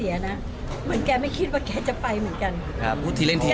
อยู่ที่โรงพยาบาลก็รับมุขก็รับมูขมุขตลอด